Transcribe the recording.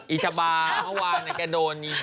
ีชาบาเมื่อวานแกโดน